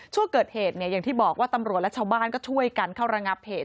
ช่วงเกิดเหตุเนี่ยอย่างที่บอกว่าตำรวจและชาวบ้านก็ช่วยกันเข้าระงับเหตุ